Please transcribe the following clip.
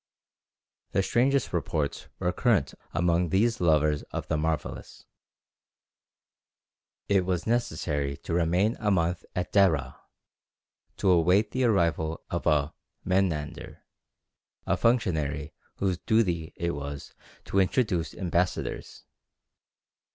The strangest reports were current among these lovers of the marvellous. It was necessary to remain a month at Déra, to await the arrival of a "Mehnandar," a functionary whose duty it was to introduce ambassadors.